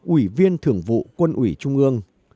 ủy viên thường vụ quân ủy trung ương